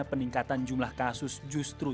peningkatan jumlah kasus justru